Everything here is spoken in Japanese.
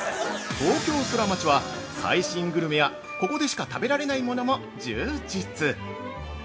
◆東京ソラマチは最新グルメや、ここでしか食べられないものも充実。